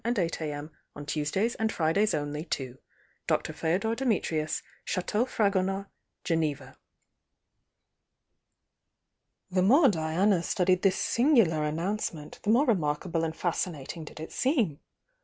and 8 a.m. on Tuesdays and Fridays only to "dr. feodor dimitrius, "Chateau Fragonard, "Geneva." The more Diana studied this singular announce ment, the more remarkable and fascmating d^^j* seem.